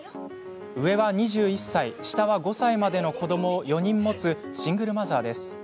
上は２１歳、下は５歳までの子ども４人を持つシングルマザーです。